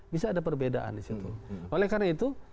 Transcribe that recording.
bisa ada perbedaan disitu oleh karena itu